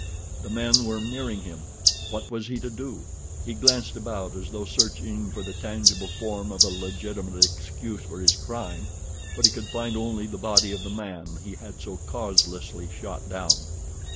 The men were nearing him. What was he to do? He glanced about as though searching for the tangible form of a legitimate excuse for his crime; but he could find only the body of the man he had so causelessly shot down.